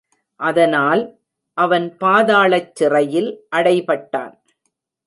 அதனால், அவன் பாதாளச்சிறையில் அடைபட்டான்.